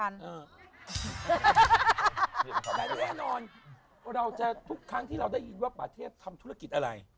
เราจะทุกครั้งที่เราได้ยินว่าประเทศทำธุรกิจอะไร